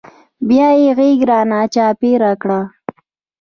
بيا يې غېږ رانه چاپېره کړه.